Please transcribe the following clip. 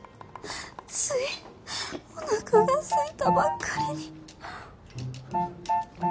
ついおなかがすいたばっかりに。